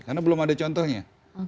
karena belum ada contohnya